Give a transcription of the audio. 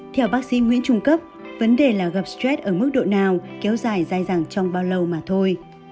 theo bác sĩ cấp vấn đề là gặp stress ở mức độ nào kéo dài dài dàng trong bao lâu mà thôi